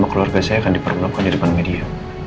nama keluarga saya akan diperlakukan di depan dia